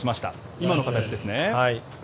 今の形ですね。